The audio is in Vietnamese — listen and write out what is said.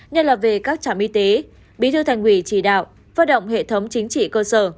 nhất là về các trạm y tế bí thư thành ủy chỉ đạo phát động hệ thống chính trị cơ sở